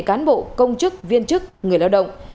cán bộ công chức viên chức người lao động